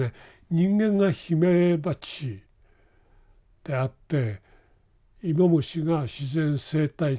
人間がヒメバチであってイモムシが自然生態系であると。